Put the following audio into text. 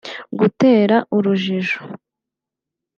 gutera urujijo